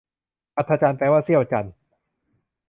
อัฒจันทร์ แปลว่าเสี้ยวจันทร์